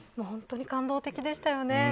本当に感動的でしたよね。